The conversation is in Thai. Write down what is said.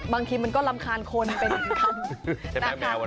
บางทีมันก็รำคาญคนไปเหมือนกัน